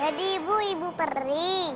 wah jadi ibu ibu flying